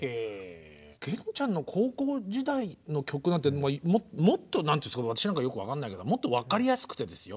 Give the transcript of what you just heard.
源ちゃんの高校時代の曲なんて私なんかよく分かんないけどもっと分かりやすくてですよ